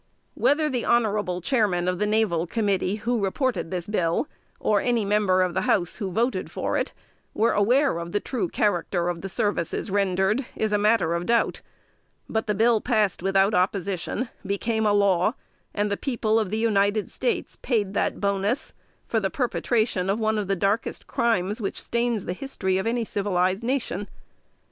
Whether the honorable Chairman of the Naval Committee who reported the bill, or any member of the House who voted for it, was aware of the true character of the services rendered, is a matter of doubt; but the bill passed without opposition, became a law, and the people of the United States paid that bonus for the perpetration of one of the darkest crimes which stains the history of any civilized nation.